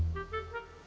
kak agus nih